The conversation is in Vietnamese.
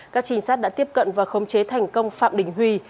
các trinh sát đã tiếp cận và khống chế thành công phạm đình huy